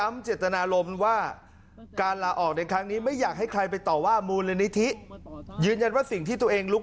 ไม่อยากให้ใครไปต่อว่ามูลนิฏิยืนยันว่าสิ่งที่ตัวเองลุก